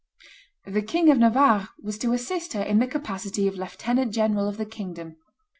The King of Navarre was to assist her in the capacity of lieutenant general of the kingdom.